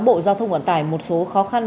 bộ giao thông quản tải một số khó khăn